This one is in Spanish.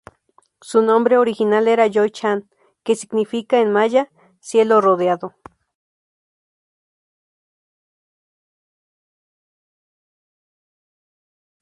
Su nombre original era "Joy Chan" que significa en maya: ""Cielo Rodeado"".